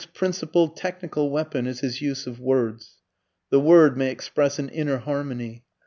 ] Maeterlinck's principal technical weapon is his use of words. The word may express an inner harmony.